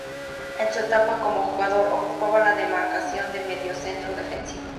En su etapa como jugador, ocupaba la demarcación de mediocentro defensivo.